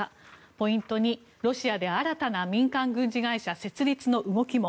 ポイント２、ロシアで新たな民間軍事会社設立の動きも。